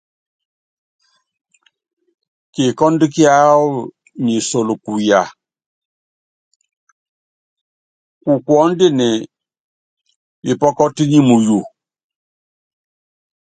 Kikɔ́ndú kíáwɔ nyi kuya kuteke, kukuɔndini pikɔtɔ́pɔ nyi muyu.